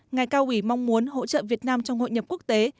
ngài cao ủy mong muốn hỗ trợ việt nam trong hội nhập quốc tế